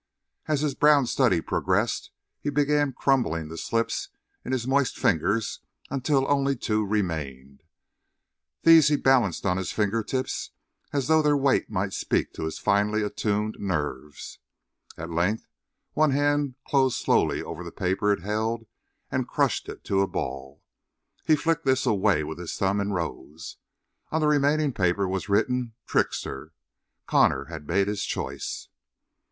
As his brown study progressed, he began crumpling the slips in his moist fingers until only two remained. These he balanced on his finger tips as though their weight might speak to his finely attuned nerves. At length, one hand closed slowly over the paper it held and crushed it to a ball. He flicked this away with his thumb and rose. On the remaining paper was written "Trickster." Connor had made his choice.